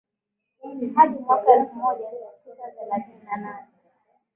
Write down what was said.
hadi mwaka elfumoja miatisa thelathini na nne